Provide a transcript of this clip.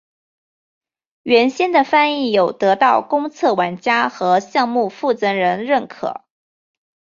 原先的翻译有得到公测玩家和项目负责人认可。